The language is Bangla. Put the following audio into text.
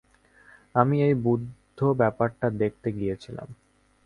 আমি এই বুদ্ধ-ব্যাপারটা দেখতে গিয়েছিলাম।